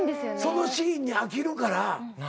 そのシーンに飽きるから。